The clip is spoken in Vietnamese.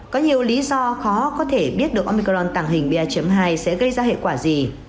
có nhiều lý do khó có thể biết được omicron tàng hình ba hai sẽ gây ra hệ quả gì